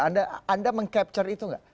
anda meng capture itu nggak